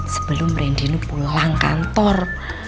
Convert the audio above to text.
sebelum rendino pulang kantor